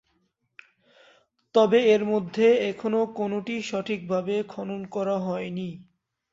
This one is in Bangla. তবে এর মধ্যে এখনও কোনওটিই সঠিকভাবে খনন করা হয়নি।